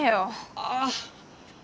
ああ。